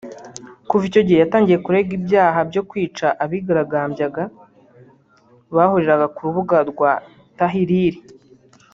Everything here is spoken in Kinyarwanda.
Kuva icyo gihe yatangiye kuregwa ibyaha byo kwica abigaragambyaga bahuriraga ku rubuga rwa Tahrir